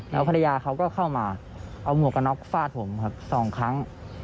แล้วภรรยาเขาก็เข้ามาเอาหมวกกระน็อกฟาดผมครับสองครั้ง